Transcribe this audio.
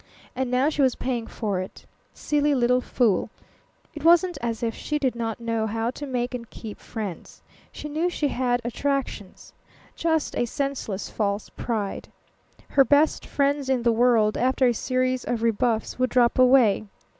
And now she was paying for it. Silly little fool! It wasn't as if she did not know how to make and keep friends. She knew she had attractions. Just a senseless false pride. The best friends in the world, after a series of rebuffs, would drop away.